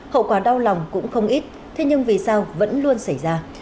hậu quả đau lòng cũng không ít thế nhưng vì sao vẫn luôn xảy ra